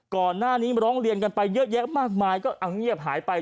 ก่อนหน้านี้ร้องเรียนกันไปเยอะแยะมากมายก็เอาเงียบหายไป